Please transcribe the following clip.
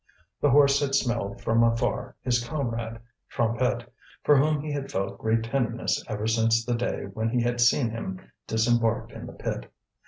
The horse had smelled from afar his comrade, Trompette, for whom he had felt great tenderness ever since the day when he had seen him disembarked in the pit.